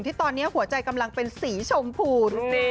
ที่ตอนนี้หัวใจกำลังเป็นสีชมพู